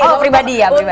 oh pribadi ya